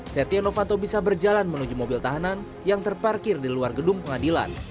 setia novanto bisa berjalan menuju mobil tahanan yang terparkir di luar gedung pengadilan